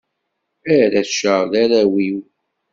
Arrac-a, d arraw-iw.